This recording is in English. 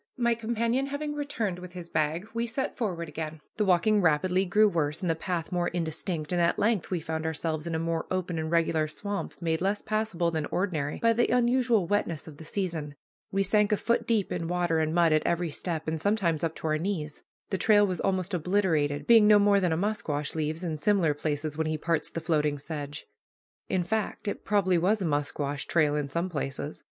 My companion having returned with his bag, we set forward again. The walking rapidly grew worse and the path more indistinct, and at length we found ourselves in a more open and regular swamp made less passable than ordinary by the unusual wetness of the season. We sank a foot deep in water and mud at every step, and sometimes up to our knees. The trail was almost obliterated, being no more than a musquash leaves in similar places when he parts the floating sedge. In fact, it probably was a musquash trail in some places.